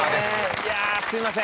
いやすいません！